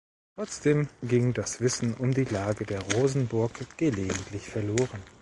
Trotzdem ging das Wissen um die Lage der Rosenburg gelegentlich verloren.